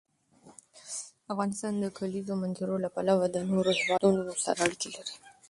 افغانستان د د کلیزو منظره له پلوه له نورو هېوادونو سره اړیکې لري.